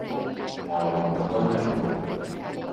外滙都有